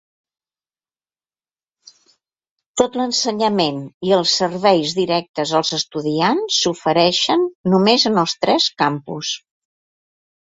Tot l'ensenyament i els serveis directes als estudiants s'ofereixen només en els tres campus.